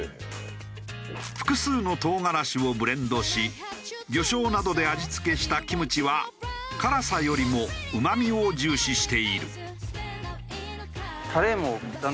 複数の唐辛子をブレンドし魚醤などで味付けしたキムチは辛さよりもうまみを重視している。